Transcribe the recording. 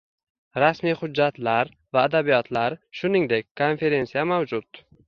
Rasmiy hujjatlar va adabiyotlar, shuningdek, konferensiya mavjud